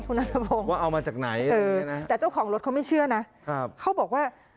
เขาก็ไม่เชื่อนะเขาบอกว่า